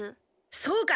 そうか。